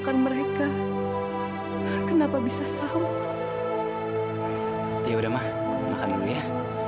sampai jumpa di video selanjutnya